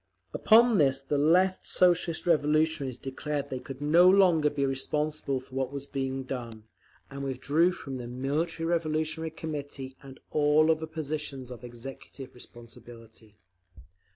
Upon this the Left Socialist Revolutionaries declared they could no longer be responsible for what was being done, and withdrew from the Military Revolutionary Committee and all other positions of executive responsibility.